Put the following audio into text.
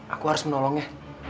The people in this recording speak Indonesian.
aku harus menolongnya